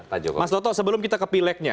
pak jokowi mas doto sebelum kita ke pileknya